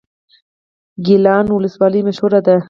ګیلان ولسوالۍ مشهوره ده؟